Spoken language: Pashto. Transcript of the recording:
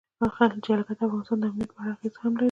جلګه د افغانستان د امنیت په اړه هم اغېز لري.